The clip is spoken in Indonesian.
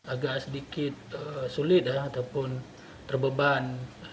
agak sedikit sulit ya ataupun terbeban